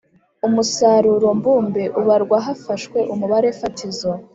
umuusaruro mbumbe Ubarwa hafashwe umubare fatizo